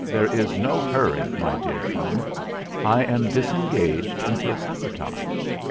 "There is no hurry, my dear Fum. I am disengaged until supper time.